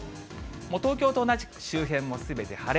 東京と同じく周辺もすべて晴れ。